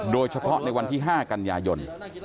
โดยเฉพาะในวันที่๕กันยายน